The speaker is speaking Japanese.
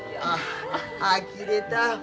あきれた。